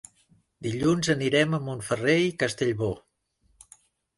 Dilluns anirem a Montferrer i Castellbò.